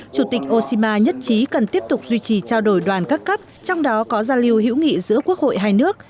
chủ tịch osima nhất trí cần tiếp tục duy trì trao đổi đoàn các cấp trong đó có giao lưu hữu nghị giữa quốc hội hai nước